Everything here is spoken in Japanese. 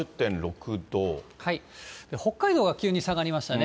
北海道が急に下がりましたね。